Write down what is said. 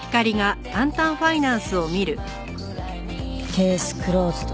ケースクローズド。